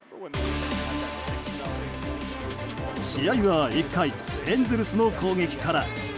試合は１回エンゼルスの攻撃から。